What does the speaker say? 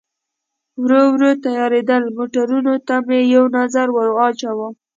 ورو ورو تیارېدل، موټرونو ته مې یو نظر ور واچاوه.